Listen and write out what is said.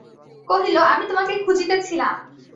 কহিল, আমি তোমাকে খুঁজিতেছিলাম।